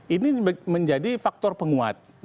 ini menjadi faktor penguat